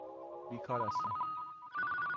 بیکار هستم.